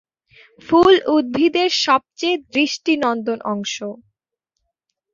ফুল উদ্ভিদের সবচেয়ে দৃষ্টি নন্দন অংশ।